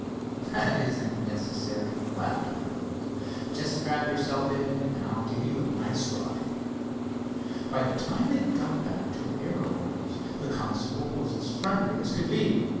"That isn't necessary," laughed Hiram. "Just strap yourself in and I'll give you a nice ride." By the time they got back to the aero grounds the constable was as friendly as could be.